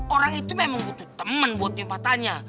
orang itu memang butuh temen buat nyup matanya